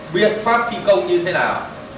biện pháp thi công như thế nào